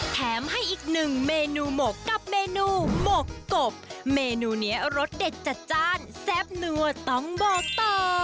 แถมให้อีกหนึ่งเมนูหมกกับเมนูหมกกบเมนูนี้รสเด็ดจัดจ้านแซ่บนัวต้องบอกต่อ